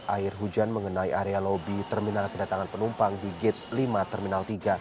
air hujan mengenai area lobi terminal kedatangan penumpang di gate lima terminal tiga